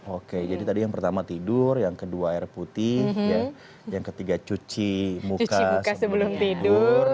oke jadi tadi yang pertama tidur yang kedua air putih yang ketiga cuci muka sebelum tidur